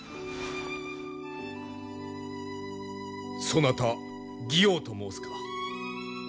そなた妓王と申すか？